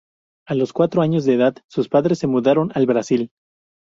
A los cuatro años de edad, sus padres se mudaron al Brasil.